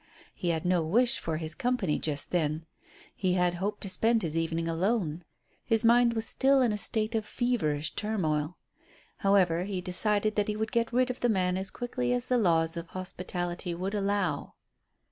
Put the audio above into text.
He had no wish for his company just then. He had hoped to spend this evening alone. His mind was still in a state of feverish turmoil. However, he decided that he would get rid of the man as quickly as the laws of hospitality would allow.